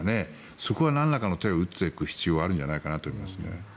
そこはなんらかの手を打っていく必要があると思います。